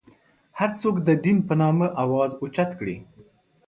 هر څوک د دین په نامه اواز اوچت کړي.